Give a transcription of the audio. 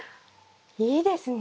いいですね。